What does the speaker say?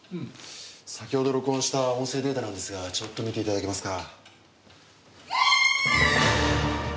先ほど録音した音声データなんですがちょっと見ていただけますか？